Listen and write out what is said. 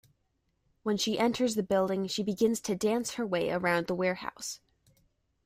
When she enters the building she begins to dance her way around the warehouse.